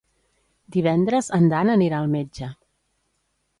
Divendres en Dan anirà al metge.